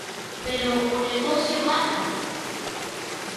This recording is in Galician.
Pero o negocio manda.